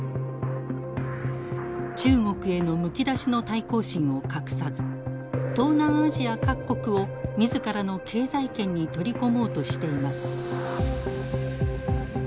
中国へのむき出しの対抗心を隠さず東南アジア各国を自らの経済圏に取り込もうとしています。